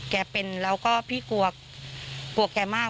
แกเป็นแล้วก็พี่กลัวแกมาก